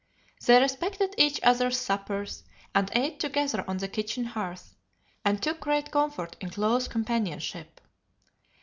They respected each other's suppers, and ate together on the kitchen hearth, and took great comfort in close companionship.